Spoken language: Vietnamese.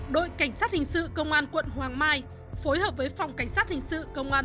đội cảnh sát hình sự công an quận hoàng mai phối hợp với phòng cảnh sát hình sự công an